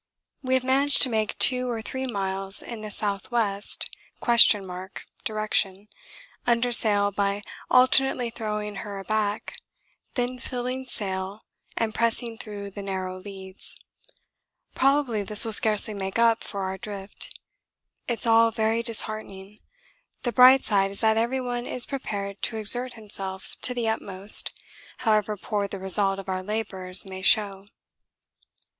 We have managed to make 2 or 3 miles in a S.W. (?) direction under sail by alternately throwing her aback, then filling sail and pressing through the narrow leads; probably this will scarcely make up for our drift. It's all very disheartening. The bright side is that everyone is prepared to exert himself to the utmost however poor the result of our labours may show.